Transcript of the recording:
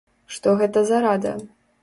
Што гэта за рада?